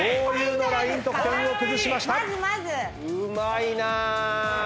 うまいなぁ！